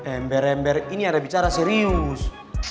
ember ember ini ada bicara serius